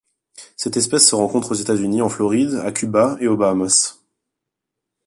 Cette espèce se rencontre aux États-Unis en Floride, à Cuba et aux Bahamas.